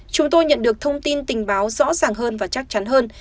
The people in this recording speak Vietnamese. chúng tôi nhận được thông tin tình báo rõ ràng hơn và chắc chắn hơn